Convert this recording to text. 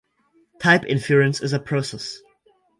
Type inference is a process